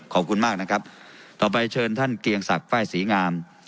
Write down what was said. ขอบคุณมากนะครับต่อไปเชิญท่านเกียงศักดิ์ไฟล์ศรีงาม